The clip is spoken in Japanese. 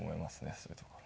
そういうところは。